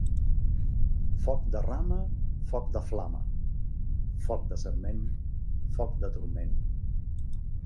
Foc de rama, foc de flama; foc de sarment, foc de turment.